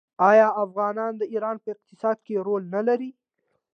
آیا افغانان د ایران په اقتصاد کې رول نلري؟